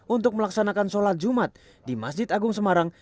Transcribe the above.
untuk melaksanakan sholat jumat di masjid agung semarang